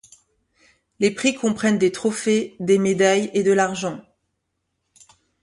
Les prix comprennent des trophées, des médailles et de l'argent.